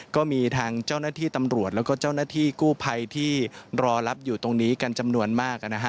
ก็มีทางเจ้าหน้าที่ตำรวจแล้วก็เจ้าหน้าที่กู้ภัยที่รอรับอยู่ตรงนี้กันจำนวนมากนะฮะ